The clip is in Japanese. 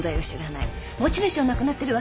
持ち主は亡くなってるわ。